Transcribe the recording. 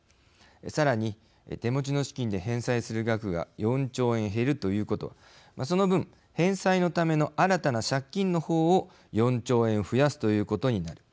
さらに、手持ちの資金で返済する額が４兆円減るということは、その分返済のための新たな借金の方を４兆円増やすということになる。